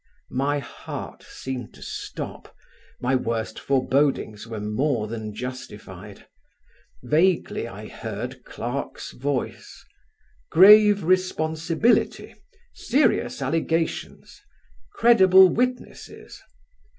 My heart seemed to stop. My worst forebodings were more than justified. Vaguely I heard Clarke's voice, "grave responsibility ... serious allegations ... credible witnesses